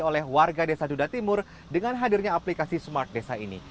oleh warga desa duda timur dengan hadirnya aplikasi smart desa ini